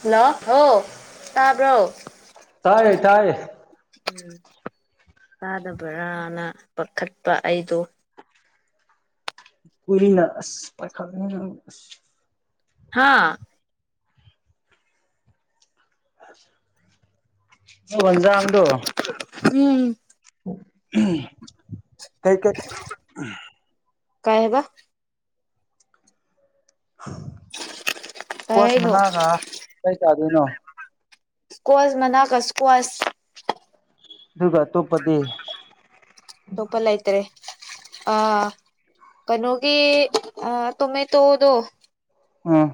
Hello ꯍꯥꯎ ꯇꯥꯕ꯭ꯔꯣ ꯇꯥꯏꯌꯦ ꯇꯥꯏꯌꯦ ꯇꯥꯗꯕ꯭ꯔꯥꯅ ꯀꯛꯊꯠꯄ ꯑꯩꯗꯣ ꯎꯔꯤꯡꯅ ꯑꯁ ꯄꯥꯏꯈꯠ ꯍꯥꯥ ꯖꯥꯡꯗꯣ ꯎꯝ ꯀꯩ ꯀ ꯊ ꯀꯥꯏ ꯍꯕ ꯀꯩ ꯀꯣꯁ ꯍꯥꯏꯅꯣ ꯃꯅꯥꯒ ꯀꯥꯏ ꯆꯥꯗꯣꯏꯅꯣ ꯀ꯭ꯋꯥꯁ ꯃꯅꯥ ꯀꯁ ꯀ꯭ꯋꯥꯁ ꯑꯗꯨꯒ ꯑꯇꯣꯞꯄꯗꯤ ꯇꯣꯄꯂꯥꯏꯇꯔꯦ ꯑ ꯀꯩꯅꯣꯒꯤ ꯑ ꯇꯨ ꯇꯗꯣ ꯑꯥ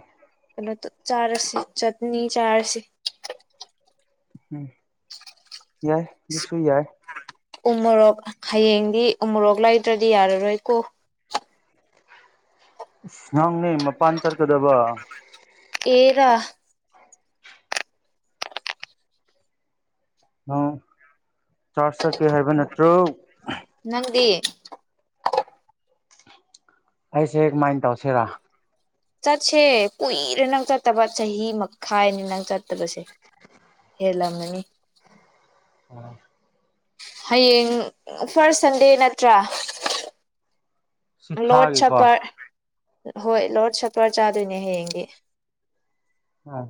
ꯀꯩꯅꯣ ꯆꯥꯔꯁꯤ ꯆꯠꯅꯤ ꯆꯥꯔꯁꯤ ꯎꯝ ꯌꯥꯏ ꯑꯗꯨꯁꯨ ꯌꯥꯏ ꯎꯃꯣꯔꯣꯛ ꯍꯌꯦꯡꯗꯤ ꯎꯃꯣꯔꯣꯛ ꯂꯩꯗ꯭ꯔꯗꯤ ꯌꯥꯔꯔꯣꯏ ꯀꯣ ꯅꯪꯅꯦ ꯃꯄꯥꯟ ꯆꯠꯀꯗꯕ ꯑꯦꯔꯥ ꯆꯥꯔꯖ ꯆꯠꯀꯦ ꯍꯥꯏꯕ ꯅꯠꯇ꯭ꯔꯣ ꯅꯪꯗꯤ ꯑꯩꯁꯦ ꯀꯃꯥꯏꯅ ꯇꯧꯁꯤꯔ ꯆꯠꯁꯦ ꯀꯨꯏꯔꯦ ꯅꯪ ꯆꯠꯇꯕ ꯆꯍꯤ ꯃꯈꯥꯏꯅꯤ ꯅꯪ ꯆꯠꯇꯕꯁꯦ ꯍꯦꯂꯃꯅꯤ ꯑ ꯍꯌꯦꯡ ꯐꯥꯔꯁ ꯁꯟꯗꯦ ꯅꯠꯇ꯭ꯔꯥ ꯁꯤ ꯂꯣꯠ ꯊꯥꯒꯤꯀꯣ ꯁꯄꯔ ꯍꯣꯏ ꯂꯣꯠ ꯁꯄꯔ ꯆꯥꯗꯣꯏꯅꯦ ꯍꯌꯦꯡꯗꯤ ꯑ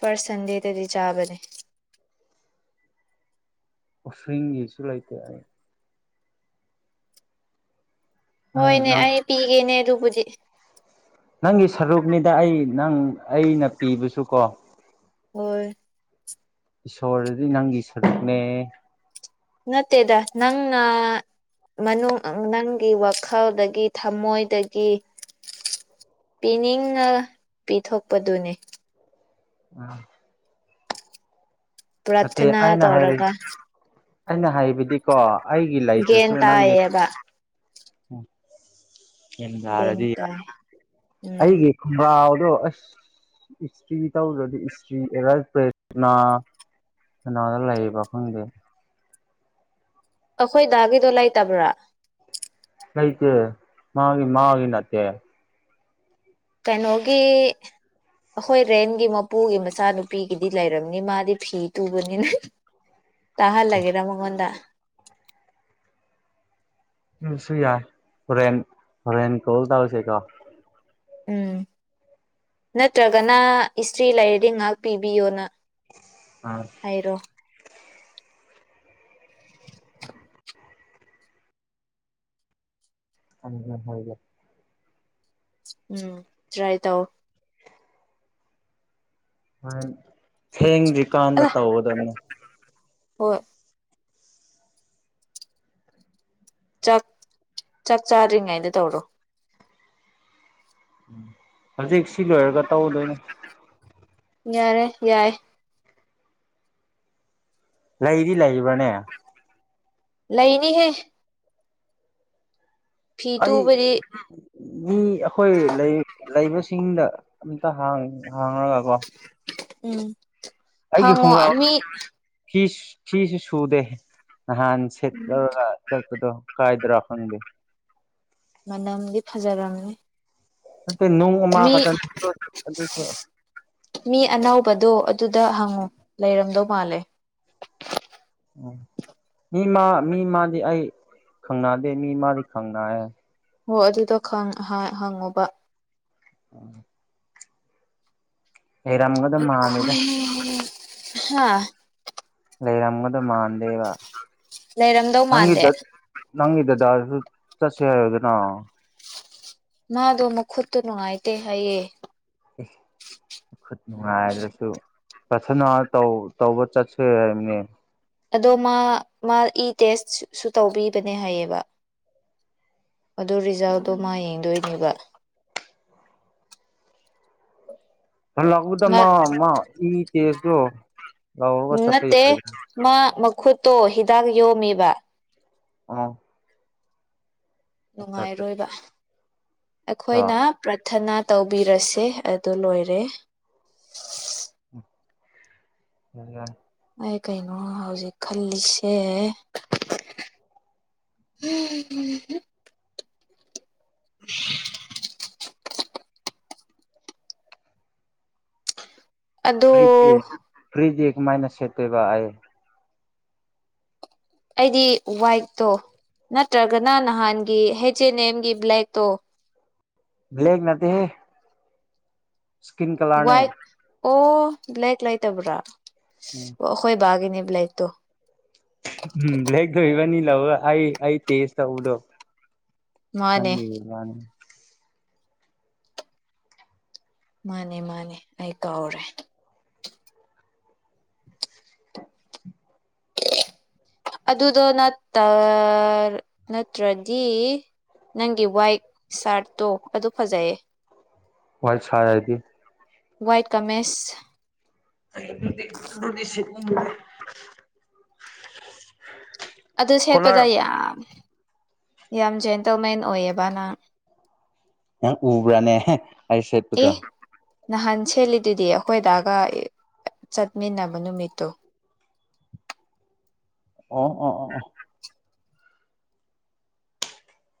ꯐꯔꯁ ꯁꯟꯗꯦꯗꯗꯤ ꯆꯥꯕꯅꯦ ꯎꯁꯤꯡꯒꯤꯁꯨ ꯂꯩꯇꯦ ꯑꯩ ꯅꯪ ꯍꯣꯏꯅꯦ ꯅꯪ ꯑꯩ ꯄꯤꯒꯦꯅꯦ ꯑꯗꯨꯕꯨꯗꯤ ꯅꯪꯒꯤ ꯁꯔꯨꯛꯅꯤꯗ ꯑꯩ ꯅꯪ ꯑꯩꯅ ꯄꯤꯕꯁꯨ ꯀꯣ ꯍꯣꯏ ꯏꯁꯣꯔꯗꯤ ꯅꯪꯒꯤ ꯁꯔꯨꯛꯅꯦ ꯅꯠꯇꯦꯗ ꯅꯪꯅ ꯃꯅꯨꯡ ꯅꯪꯒꯤ ꯋꯥꯈꯜꯗꯒꯤ ꯊꯃꯣꯏꯗꯒꯤ ꯄꯤꯅꯤꯡꯅ ꯄꯤꯊꯣꯛꯄꯗꯨꯅꯦ ꯎꯝ ꯅꯠꯇꯦ ꯄ꯭ꯔꯊꯅꯥ ꯑꯩꯅ ꯍꯥꯏꯔꯤ ꯇꯧꯔꯒ ꯑꯩꯅ ꯍꯥꯏꯕꯗꯤꯀꯣ ꯑꯩꯒꯤ ꯒ꯭ꯌꯥꯟ ꯂꯩꯇ꯭ꯔꯁꯨ ꯅꯪꯒꯤ ꯇꯥꯏꯌꯦꯕ ꯎ ꯒ꯭ꯌꯥꯟ ꯌꯦꯔꯗꯤ ꯌꯥ ꯇꯥꯏ ꯎꯝ ꯑꯩꯒꯤ ꯈꯨꯡꯒꯥꯎꯗꯣ ꯑꯁ ꯏꯁꯇ꯭ꯔꯤ ꯇꯧꯗ꯭ꯔꯗꯤ ꯏꯁꯇ꯭ꯔꯤ ꯑꯦꯔꯏ ꯄ꯭ꯔꯦꯁꯅꯥ ꯀꯅꯥꯗ ꯂꯩꯔꯤꯕ ꯈꯪꯗꯦ ꯑꯩꯈꯣꯏꯗꯥꯒꯤꯗꯣ ꯂꯩꯇꯕ꯭ꯔꯥ ꯑꯩꯣꯏꯇ ꯃꯥꯒꯤ ꯃꯥꯒꯤꯅꯠꯇꯦ ꯀꯥꯏꯩꯅꯒꯤꯤ ꯑꯩꯈꯣꯏ ꯔꯦꯟꯒꯤ ꯃꯄꯨꯒꯤ ꯃꯆꯥꯅꯨꯄꯤꯒꯤꯗꯤ ꯂꯩꯔꯕꯝꯅꯤ ꯃꯥꯗꯤ ꯐꯤ ꯇꯨꯕꯅꯤꯅ ꯇꯥ ꯍꯥꯜꯒꯦꯗ ꯃꯒꯗ ꯁꯨ ꯌꯥꯏ ꯍꯣꯔꯦꯟ ꯍꯣꯔꯦꯟ ꯀꯣꯜ ꯇꯧꯔꯁꯦꯀꯣ ꯎꯝ ꯅꯠꯇ꯭ꯔꯒꯅ ꯏꯁꯇ꯭ꯔꯤ ꯂꯩꯔꯗꯤ ꯉꯥꯏꯍꯥꯛ ꯄꯤꯕꯤꯌꯣꯅ ꯑꯥ ꯍꯥꯏꯔꯣ ꯎꯝ ꯍꯒꯦ ꯎꯝ ꯇ꯭ꯔꯥꯏ ꯇꯧ ꯊꯦꯡꯗꯔꯤ ꯀꯥꯟꯗ ꯑꯂ ꯇꯧꯒꯗꯕꯅꯦ ꯍꯣꯏ ꯆꯥꯛ ꯆꯥꯛ ꯆꯥꯗ꯭ꯔꯤꯉꯩꯗ ꯇꯧꯔꯣ ꯍꯧꯖꯤꯛ ꯁꯤ ꯂꯣꯏꯔꯒ ꯇꯛꯎꯗꯣꯏꯅꯦ ꯌꯥꯔꯦ ꯌꯥꯏ ꯂꯩꯗꯤ ꯂꯩꯕꯅꯦ ꯂꯩꯅꯤꯍꯦ ꯐꯤ ꯑꯩ ꯇꯨꯕꯗꯤ ꯃꯤ ꯑꯩꯈꯣꯏ ꯂꯩꯕꯁꯤꯡꯗ ꯑꯝꯇ ꯍꯥꯡꯉꯒ ꯀꯣ ꯎꯝ ꯑꯩꯒꯤ ꯍꯪꯉꯣ ꯃꯤ ꯈꯣꯡꯒꯥꯎꯗꯨꯁꯨ ꯐꯤꯁꯨ ꯁꯨꯗꯦ ꯅꯍꯥꯟ ꯁꯤꯠꯂꯔꯒ ꯆꯠꯄꯗꯣ ꯀꯥꯏꯗ ꯔꯈꯪꯗꯦ ꯃꯅꯝꯗꯤ ꯐꯖꯔꯝꯃꯤ ꯅꯣꯡ ꯃꯥ ꯃꯤ ꯑꯅꯧꯕꯗꯣ ꯑꯗꯨꯗ ꯍꯪꯉꯨ ꯂꯩꯔꯝꯗꯧ ꯃꯥꯜꯂꯦ ꯎ ꯃꯤ ꯃꯥ ꯃꯤ ꯃꯥꯗꯤ ꯑꯩ ꯈꯪꯅꯗꯦ ꯃꯤ ꯃꯥꯗꯤ ꯈꯪꯅꯌꯦꯦ ꯍꯣ ꯑꯗꯨꯗꯣ ꯍꯪꯉꯨꯕ ꯎꯝ ꯂꯩꯔꯝꯒꯗ ꯃꯥꯟꯗꯦꯗ ꯈꯣꯏ ꯍꯥ ꯂꯩꯦꯔꯝꯒꯗ ꯃꯥꯟꯗꯦꯕ ꯂꯩꯔꯝꯗꯧ ꯃꯥꯟꯗꯦ ꯅꯪꯗ ꯅꯪꯒꯤꯗꯗꯥꯁꯨ ꯆꯠꯁ ꯍꯥꯏꯣꯗꯅ ꯃꯥꯗꯣ ꯑꯃꯨꯛ ꯈꯨꯠꯇ ꯅꯨꯡꯉꯥꯏꯇꯦ ꯍꯥꯏꯑꯦ ꯈꯨꯠ ꯅꯨꯡꯉꯥꯏꯔꯁꯨ ꯄꯊꯅꯥ ꯇꯧ ꯇꯧꯕ ꯆꯠꯁꯦ ꯍꯥꯏꯕꯅꯦ ꯑꯗꯣ ꯃꯥ ꯃꯥ ꯏ ꯇꯦꯁꯁꯨ ꯇꯧꯕꯤꯕꯅꯦ ꯍꯥꯏꯌꯦꯕ ꯑꯗꯨ ꯔꯤꯖꯥꯜꯗꯣ ꯃꯥ ꯌꯦꯡꯗꯣꯏꯅꯦꯕ ꯍꯂꯛꯄꯗ ꯃꯥ ꯃꯥ ꯏ ꯇꯦꯖꯇꯨ ꯂꯧꯔꯒ ꯆꯠꯄ ꯅꯠꯇꯦ ꯌꯥꯔꯗ꯭ꯔꯥ ꯃꯥ ꯃꯈꯨꯠꯇꯣ ꯍꯤꯗꯥꯛ ꯌꯣꯝꯃꯤꯕ ꯑꯥ ꯅꯨꯡꯉꯥꯏꯔꯣꯏꯕ ꯑꯆꯥ ꯑꯩꯈꯣꯏꯅ ꯄ꯭ꯔꯊꯅꯥ ꯇꯧꯕꯤꯔꯁꯦ ꯑꯗꯨ ꯂꯣꯏꯔꯦ ꯎ ꯑꯩ ꯀꯩꯅꯣ ꯍꯧꯖꯤꯛ ꯈꯜꯂꯤꯁꯦ ꯎꯝꯝ [inaudible] ꯑꯗꯣ ꯐ꯭ꯔꯤꯖꯦ ꯐ꯭ꯔꯤꯗꯤ ꯃꯥꯏꯅꯁ ꯁꯦꯠ ꯑꯣꯏꯕꯑꯌꯦ ꯑꯩꯗꯤ ꯋꯥꯏꯠꯇꯣ ꯅꯠꯇ꯭ꯔꯒꯅ ꯅꯍꯥꯟꯒꯤ ꯍꯩꯆ ꯑꯦꯟ ꯑꯦꯝꯒꯤ ꯕ꯭ꯂꯦꯛꯇꯣ ꯕ꯭ꯂꯦꯛ ꯅꯠꯇ ꯍꯦ ꯋꯥꯏꯠ ꯑꯣ ꯕ꯭ꯂꯦꯛ ꯂꯩꯇꯕ꯭ꯔꯥ ꯎꯝ ꯑꯣ ꯑꯩꯈꯣꯏ ꯕꯥꯒꯤꯅꯦꯕ ꯂꯥꯏꯛꯇꯣ ꯎꯝ ꯕ꯭ꯂꯦꯛꯗꯕꯅꯤ ꯂꯧꯔ ꯑꯩ ꯑꯩ ꯇꯦꯖ ꯇꯧꯕꯗꯣ ꯃꯥꯅꯦ ꯅꯪꯦ ꯃꯥꯅꯦ ꯃꯥꯅꯦ ꯃꯥꯅꯦ ꯑꯩ ꯀꯥꯎꯔꯦ ꯑꯗꯨꯗꯣ ꯅꯠꯇ ꯅꯠꯇ꯭ꯔꯗꯤ ꯅꯪꯒꯤ ꯋꯥꯏꯠ ꯁꯥꯔꯠꯇꯣ ꯑꯗꯨ ꯐꯖꯩꯌꯦ ꯋꯥꯏꯁꯥ ꯌꯥꯏꯗꯤ ꯋꯥꯏꯠ ꯀꯥꯃꯦꯁ ꯗꯤꯗꯤꯗꯦ ꯑꯗꯨ ꯁꯦꯠꯄꯗ ꯌꯥꯝ ꯌꯥꯝ ꯖꯦꯟꯇꯜ ꯃꯦꯟ ꯑꯣꯏꯌꯦꯕ ꯅꯪ ꯎꯕ꯭ꯔꯥꯅꯦ ꯑꯩ ꯁꯦꯠꯄꯗꯣ ꯑꯦ ꯅꯍꯥꯟ ꯁꯦꯂꯤꯗꯨꯗꯤ ꯑꯩꯈꯣꯏꯗꯥꯒ ꯆꯠꯃꯤꯟꯅꯕ ꯅꯨꯃꯤꯠꯇꯣ ꯑꯣ ꯑꯣ ꯑꯣ ꯑꯣ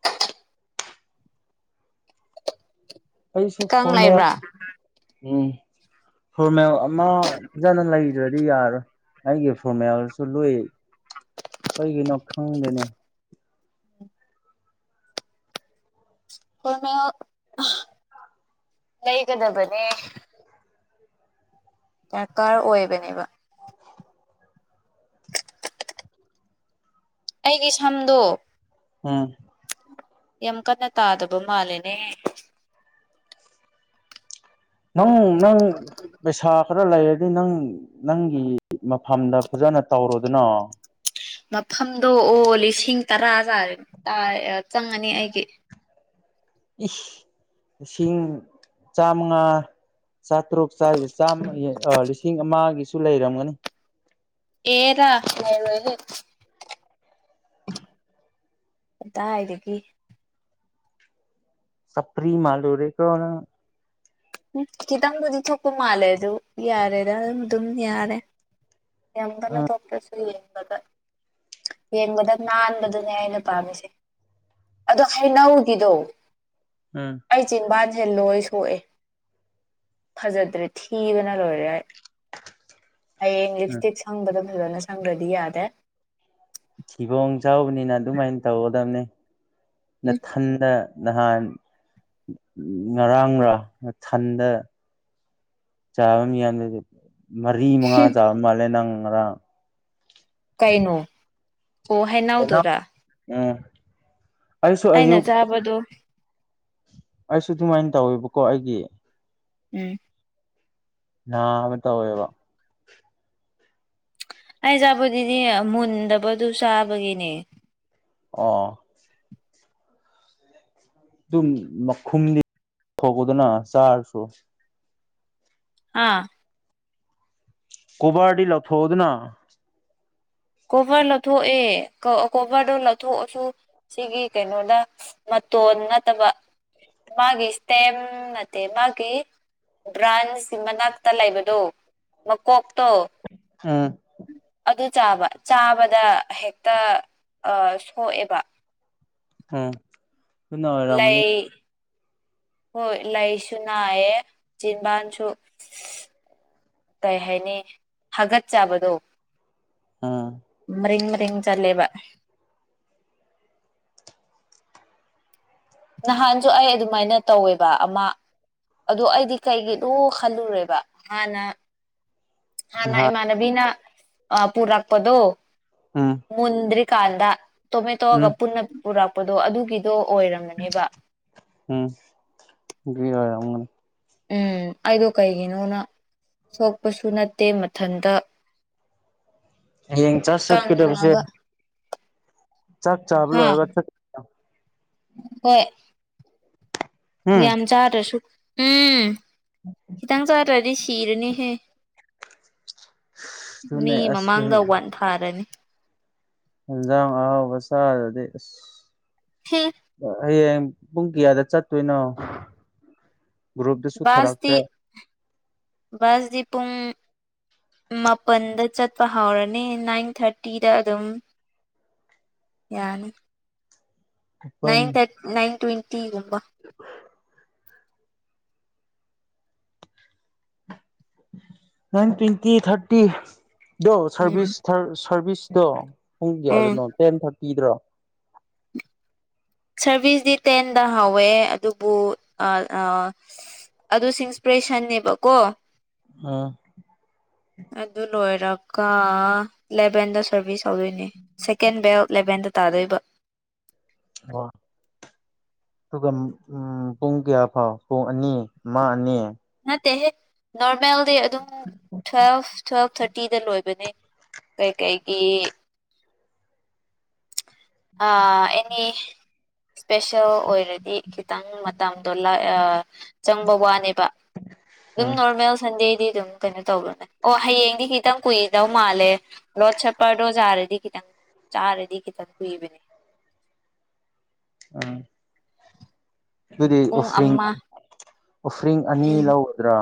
ꯇ ꯑꯩꯩꯁꯨ ꯀꯪ ꯐꯣꯟꯣꯟ ꯂꯩꯕ꯭ꯔꯥ ꯎꯝ ꯍꯣꯔꯃꯦꯜ ꯑꯃ ꯐꯖꯅ ꯂꯩꯗ꯭ꯔꯗꯤ ꯌꯥꯔꯣꯏ ꯑꯩꯒꯤ ꯐꯣꯔꯃꯦꯂꯥꯁꯨ ꯂꯨꯏ ꯀꯔꯤꯒꯤꯅꯣ ꯈꯪꯗꯦꯅꯦ ꯅ ꯂꯩꯩꯒꯗꯕꯅꯤ ꯗꯔꯀꯥꯔ ꯑꯣꯏꯕꯅꯦꯕ ꯑꯩꯒꯤ ꯁꯝꯗꯣ ꯎꯝ ꯌꯥꯝ ꯀꯟꯅ ꯇꯥꯗꯕ ꯃꯥꯜꯂꯦꯅꯦ ꯅꯪ ꯅꯪ ꯄꯩꯁꯥ ꯈꯔ ꯂꯩꯔꯗꯤ ꯅꯪ ꯅꯪꯒꯤ ꯃꯐꯝꯗ ꯐꯖꯅ ꯇꯧꯔꯨꯗꯅꯣ ꯃꯐꯝꯗꯣ ꯑꯣ ꯂꯤꯁꯤꯡ ꯇꯔꯥ ꯇ ꯆꯪꯉꯅꯤ ꯑꯩꯒꯤ ꯏꯁ ꯂꯤꯁꯤꯡ ꯆꯥꯃꯉꯥ ꯆꯥꯇ꯭ꯔꯨꯛ ꯆꯥꯝꯃ ꯂꯤꯁꯤꯡ ꯑꯃꯒꯤꯁꯨ ꯂꯩꯔꯝꯒꯅꯤ ꯑꯦꯔꯔꯦ [inaudible] ꯀꯗꯥꯋꯥꯏꯗꯒꯤ ꯁꯄ꯭ꯔꯤ ꯃꯥꯂꯔꯦ ꯀꯅ ꯈꯤꯇꯪꯕꯨꯗꯤ ꯊꯣꯛꯄ ꯃꯥꯜꯂꯦ ꯑꯗꯨ ꯌꯥꯔꯦꯗ ꯑꯗꯨꯝ ꯑꯗꯨꯝ ꯌꯥꯔꯦ ꯌꯥꯝꯅ ꯎꯝ ꯇꯣꯄꯁꯨ ꯌꯦꯡꯕꯗ ꯌꯦꯡꯕꯗ ꯅꯥꯟꯕꯗꯨꯅꯦ ꯑꯩꯅ ꯄꯥꯝꯃꯤꯁꯦ ꯑꯗꯣ ꯍꯩꯅꯧꯒꯤꯗꯣ ꯎꯝ ꯑꯩ ꯆꯤꯟꯕꯥ ꯊꯦꯂꯣꯏ ꯁꯣꯛꯑꯦ ꯐꯖꯗ꯭ꯔꯦ ꯊꯤꯕꯅ ꯂꯣꯏꯔꯦ ꯍꯌꯦꯡ ꯎꯝ ꯂꯤꯞꯁꯇꯤꯛ ꯁꯪꯕꯗ ꯐꯖꯅ ꯁꯪꯈ꯭ꯔꯗꯤ ꯌꯥꯗꯦ ꯐꯤꯕꯣꯡ ꯆꯥꯎꯕꯅꯤꯅ ꯑꯗꯨꯃꯥꯏꯅ ꯇꯧꯒꯗꯕꯅꯤ ꯅꯊꯟꯗ ꯅꯍꯥꯟ ꯉꯔꯥꯡꯒꯥꯊꯟꯗ ꯆꯥꯕꯝ ꯌꯥꯗꯗꯤ ꯃꯔꯤ ꯃꯉꯥ ꯆꯥꯕ ꯃꯥꯜꯂꯦ ꯅꯪ ꯉꯔꯥꯡ ꯀꯩꯅꯣ ꯑꯣ ꯍꯥꯏꯅꯥꯎꯗꯔꯥ ꯎꯝ ꯑꯩꯁꯨ ꯑꯩꯅ ꯑꯌꯨꯛ ꯆꯥꯕꯗꯣ ꯑꯩꯁꯨ ꯑꯗꯨꯃꯥꯏꯅ ꯇꯧꯋꯦꯕꯀꯣ ꯑꯩꯒꯤ ꯎꯝ ꯅ ꯑꯃ ꯇꯧ ꯑꯣꯏꯋꯦꯕ ꯑꯩ ꯆꯥꯕꯨꯗꯤꯗꯤ ꯃꯨꯟꯗꯕꯗꯨ ꯆꯥꯕꯒꯤꯅꯦ꯫ ꯑꯣ꯫ ꯑꯗꯨꯝ ꯃꯈꯨꯝꯗꯤ ꯐꯧꯒꯣꯗꯅ ꯆꯥꯔꯁꯨ꯫ ꯑꯥ꯫ ꯀꯣꯕꯥꯔꯗꯤ ꯂꯧꯊꯣꯛꯑꯣꯗꯨꯅ꯫ ꯀꯣꯚꯔ ꯂꯧꯊꯣꯛꯑꯦ ꯀꯣꯚꯔꯗꯣ ꯂꯧꯊꯣꯛꯑꯁꯨ꯫ ꯁꯤꯒꯤ ꯀꯩꯅꯣꯗ ꯃꯇꯣꯟ ꯅꯠꯇꯕ꯫ ꯃꯥꯒꯤ ꯏꯁꯇꯦꯝ ꯅꯠꯇꯦ ꯃꯥꯒꯤ꯫ ꯕ꯭ꯔꯥꯟꯁ ꯃꯅꯥꯛꯇ ꯂꯩꯕꯗꯣ ꯃꯀꯣꯛꯇꯣ꯫ ꯎꯝ꯫ ꯑꯗꯨ ꯆꯥꯕ ꯆꯥꯕꯗ ꯍꯦꯛꯇ ꯁꯣꯛꯑꯦꯕ꯫ ꯎꯝ ꯑꯗꯨꯅ ꯑꯣꯏꯔꯝꯃꯅꯤ ꯂꯩ ꯍꯣꯏ ꯂꯩꯁꯨ ꯅꯥꯏꯌꯦꯦ ꯆꯝꯕꯥꯟꯁꯨ ꯀꯩ ꯍꯥꯏꯅꯤ ꯍꯥꯒꯠ ꯆꯥꯕꯗꯣ ꯑꯥ ꯃꯔꯤꯡ ꯃꯔꯤꯡ ꯆꯠꯂꯦꯕ ꯅꯍꯥꯟꯁꯨ ꯑꯩ ꯑꯗꯨꯃꯥꯏꯅ ꯇꯧꯋꯦꯕ ꯑꯃ ꯑꯗꯣ ꯑꯩꯗꯤ ꯀꯩꯒꯤ ꯂꯣ ꯈꯜꯂꯨꯔꯦꯕ ꯍꯥꯟꯅ ꯍꯥꯟꯅ ꯅꯍꯥꯟ ꯏꯃꯥꯟꯅꯕꯤꯅ ꯄꯨꯔꯛꯄꯗꯣ ꯎꯝ ꯃꯨꯟꯗ꯭ꯔꯤꯀꯥꯟꯗ ꯎꯝ ꯇꯣꯃꯦꯇꯣꯑꯒ ꯄꯨꯟꯅ ꯄꯨꯔꯛꯄꯗꯣ ꯑꯗꯨꯒꯤꯗꯣ ꯑꯣꯏꯔꯝꯃꯦ ꯎꯝ ꯒꯤ ꯑꯣꯏꯅꯤ ꯎꯝ ꯑꯩꯗꯣ ꯀꯩꯒꯤꯅꯣꯅ ꯁꯣꯛꯄꯁꯨ ꯅꯠꯇꯦ ꯃꯊꯟꯇ ꯍꯌꯦꯡ ꯆꯥꯔꯁ ꯆꯠꯀꯗꯕꯁꯦ꯫ ꯀꯪꯉꯒ ꯆꯥꯛ ꯍꯥ ꯆꯥꯕꯂꯣꯏꯔꯕ ꯍꯣꯏ꯫ ꯎꯝ ꯌꯥꯝ ꯆꯥꯗ꯭ꯔꯁꯨ ꯎꯝ ꯈꯤꯇꯪ ꯆꯥꯗ꯭ꯔꯗꯤ ꯁꯤꯔꯅꯤꯍꯦ꯫ ꯑꯗꯨꯅꯦ ꯃꯤ ꯑꯁ ꯃꯃꯥꯡꯗ ꯋꯥꯟ ꯊꯥꯔꯅꯤ꯫ ꯌꯦꯟꯖꯥꯡ ꯑꯍꯥꯎꯕ ꯆꯥꯗꯗꯤ ꯑꯁ꯫ ꯍꯦ꯫ ꯍꯌꯦꯡ ꯄꯨꯡ ꯀꯌꯥꯗ ꯆꯠꯇꯣꯏꯅꯣ꯫ ꯒ꯭ꯔꯨꯞꯇꯁꯨ ꯕꯥꯁꯇꯤ ꯊꯥꯔꯛꯇꯦ ꯕꯥꯁꯗꯤ ꯄꯨꯡ꯫ ꯃꯥꯄꯟꯗ ꯆꯠꯄ ꯍꯧꯔꯅꯤ ꯅꯥꯏꯟ ꯊꯥꯔꯇꯤꯗ ꯑꯗꯨꯝ꯫ ꯌꯥꯅꯤ꯫ ꯄꯟ ꯅꯏꯟ ꯊꯔ ꯅꯏꯟ ꯇ꯭ꯋꯦꯟꯇꯤꯒꯨꯝꯕ꯫ ꯅꯏꯟ ꯇ꯭ꯋꯦꯟꯇꯤ ꯊꯥꯔꯇꯤ ꯗꯣ ꯎꯝ ꯁꯔꯚꯤꯁ꯫ ꯁꯔꯚꯤꯁꯇꯣ ꯄꯨꯡ ꯎꯝ ꯀꯌꯥꯗꯅꯣ ꯇꯦꯟ ꯊꯥꯔꯇꯤꯗꯔꯣ꯫ ꯁꯔꯚꯤꯁꯇꯤ ꯇꯦꯟꯗ ꯍꯥꯎꯋꯦ ꯑꯗꯨꯕꯨ꯫ ꯑꯗꯨ ꯁꯤꯡꯄꯔꯦꯁꯟꯅꯦꯕꯀꯣ꯫ ꯑ꯫ ꯑꯗꯨ ꯂꯣꯏꯔꯒ ꯂꯦꯚꯦꯟꯗ ꯁꯔꯚꯤꯁ꯫ ꯇꯧꯗꯣꯏꯅꯦ ꯁꯦꯀꯦꯟ ꯕꯦꯜ ꯂꯦꯚꯦꯟꯗ ꯇꯥꯗꯣꯏꯕ꯫ ꯑꯣ꯫ ꯑꯗꯨꯒ ꯎꯝ ꯄꯨꯡ ꯀꯌꯥ ꯐꯥꯎ ꯄꯨꯡ ꯑꯅꯤ ꯑꯃ ꯑꯅꯤ꯫ ꯅꯠꯇꯦ ꯍꯦ꯫ ꯅꯣꯔꯃꯦꯜꯗꯤ ꯑꯗꯨꯝ ꯇꯨꯋꯦꯜꯐ ꯇꯨꯋꯦꯜꯐ ꯊꯥꯔꯇꯤꯗ ꯂꯣꯏꯕꯅꯦ꯫ ꯀꯩ ꯀꯩꯗꯤ꯫ ꯑ ꯑꯦꯅꯤ꯫ ꯏꯁꯄꯦꯁꯦꯜ ꯑꯣꯏꯔꯗꯤ ꯈꯤꯇꯪ ꯃꯇꯝꯗꯣ ꯆꯪꯕ ꯋꯥꯅꯦꯕ꯫ ꯑꯗꯨꯝ ꯎꯝ ꯅꯣꯔꯃꯦꯜ ꯁꯟꯗꯦꯗꯤ ꯑꯗꯨꯝ ꯀꯩꯅꯣ ꯇꯧꯕꯔꯅꯦ ꯑꯣ ꯍꯌꯦꯡꯗꯤ ꯈꯤꯇꯪ ꯀꯨꯏꯗꯧ ꯃꯥꯜꯂꯦ ꯂꯣꯠ ꯁꯄꯔꯗꯣꯖꯥꯔꯗꯤ ꯈꯤꯇꯪ ꯆꯥꯔꯗꯤ ꯈꯤꯇꯪ ꯀꯨꯏꯕꯅꯦ ꯑꯝ ꯑꯗꯨꯗꯤ ꯄꯨꯡ ꯎꯐ꯭ꯔꯤꯡ ꯑꯃ ꯎꯐ꯭ꯔꯤꯡ ꯑꯅꯤ ꯂꯧꯒꯗ꯭ꯔꯥ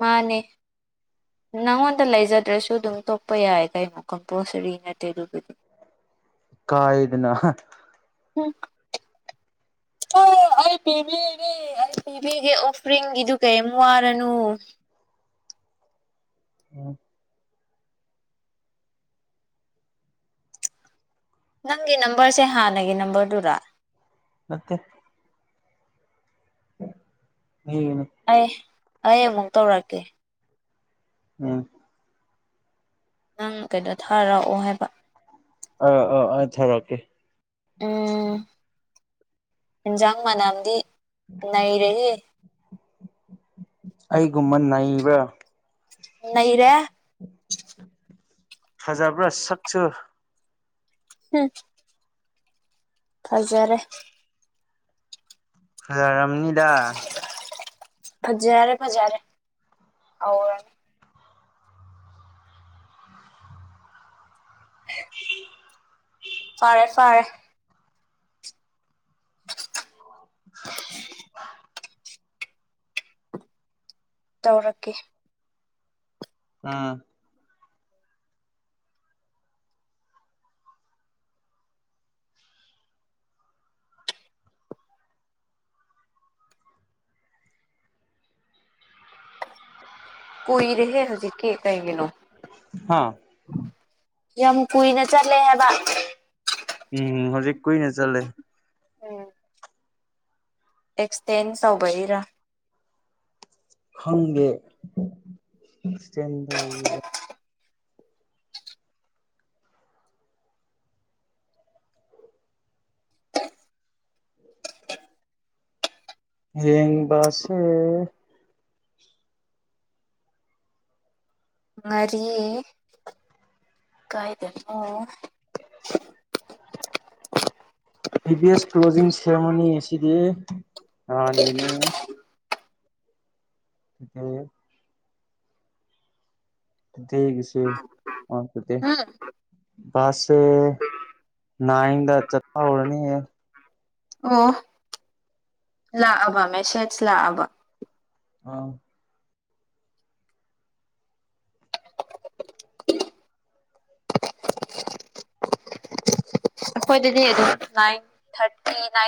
ꯃꯥꯟꯅꯦ ꯅꯪꯉꯣꯟꯗ ꯂꯩꯖꯗ꯭ꯔꯁꯨ ꯑꯗꯨꯝ ꯇꯣꯛꯄ ꯌꯥꯏ ꯀꯩꯅꯣ ꯀꯝꯄꯜꯁꯔꯤ ꯅꯠꯇꯦ ꯑꯗꯨꯕꯨꯗꯤ ꯀꯥꯏꯗꯅ ꯍ ꯍꯝ ꯑꯣ ꯑꯩ ꯄꯤꯕꯤꯒꯦ ꯑꯩ ꯄꯤꯕꯤꯒꯦ ꯑꯣꯐꯔꯤꯡꯒꯤꯗꯨ ꯀꯦꯝ ꯋꯥꯔꯅꯨ ꯎ ꯅꯪꯒꯤ ꯅꯝꯕꯔꯁꯦ ꯍꯥꯟꯅꯒꯤ ꯅꯝꯕꯔꯗꯨꯔꯥ꯫ ꯅꯠꯇꯦ꯫ ꯎꯝ꯫ ꯑꯩ ꯑꯩ ꯑꯃꯨꯛ ꯇꯧꯔꯛꯀꯦ꯫ ꯎꯝ꯫ ꯅꯪ ꯀꯩꯅꯣ ꯊꯥꯔꯛꯑꯣ ꯍꯥꯏꯕ꯫ ꯑ ꯑ ꯑꯧ ꯊꯔꯛꯀꯦ꯫ ꯎꯝ ꯍꯤꯟꯖꯥꯡ ꯃꯅꯝꯗꯤ ꯅꯩꯔꯦꯍꯦ꯫ ꯑꯩꯒꯨꯝꯕ ꯅꯩꯕ꯭ꯔꯥ꯫ ꯅꯩꯔꯦ꯫ ꯐꯖꯥꯕꯔ ꯁꯛꯁꯨ꯫ ꯍꯝ꯫ ꯐꯖꯔꯦ꯫ ꯂꯩꯔꯝꯅꯤꯗ ꯐꯖꯔꯦ ꯐꯖꯔꯦ ꯑꯧꯔ ꯐꯔꯦ ꯐꯔꯦ [unintelligible] ꯇꯧꯔꯛꯀꯦ ꯎꯝ ꯀꯨꯏ ꯔꯦꯍꯦ ꯍꯧꯖꯤꯛꯀꯤ ꯀꯩꯒꯤꯅꯣ ꯍꯥꯥ ꯌꯥꯝ ꯀꯨꯏꯅ ꯆꯠꯂꯦ ꯍꯥꯏꯕ ꯎꯝ ꯍꯧꯖꯤꯛ ꯀꯨꯏꯅ ꯆꯠꯂꯦ ꯎꯝ ꯑꯦꯛꯁꯇꯦꯟ ꯇꯧꯕꯩꯔꯥ ꯈꯪꯗꯦ ꯑꯦꯛꯁꯇꯦꯟ ꯇꯩꯔꯤꯔ ꯌꯦꯡꯕꯁꯤ ꯉꯥꯔꯤ ꯀꯥꯏꯗꯅꯣ ꯍꯤꯚꯁ ꯀ꯭ꯂꯣꯖꯤꯡ ꯁꯦꯔꯤꯃꯣꯅꯤ ꯑꯁꯤꯗꯤ ꯅꯍꯥꯟꯒꯤꯅꯤ ꯑꯦ ꯇꯩ ꯒꯤꯁꯦ ꯑꯣ ꯇꯨꯗꯦ ꯎꯝ ꯀ꯭ꯂꯥꯁ ꯁꯦ ꯅꯥꯏꯗ ꯆꯠꯄ ꯍꯧꯔꯅꯤꯌꯦ ꯑꯣ ꯂꯥꯛꯑꯕ ꯃꯦꯁꯦꯖ ꯂꯥꯛꯑꯕ ꯑꯥ ꯑꯩꯈꯣꯏꯗꯗꯤ ꯑꯗꯨꯝ ꯅꯥꯏꯟ ꯊꯥꯔꯇꯤ ꯅꯥꯏꯟ